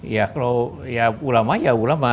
ya kalau ya ulama ya ulama